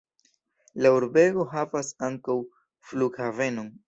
La urbego havas ankaŭ flughavenon.